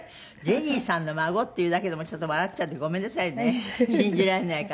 ジェリーさんの孫っていうだけでもうちょっと笑っちゃってごめんなさいね信じられないから。